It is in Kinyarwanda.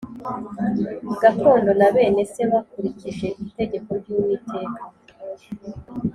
gakondo na bene se bakurikije itegeko ry Uwiteka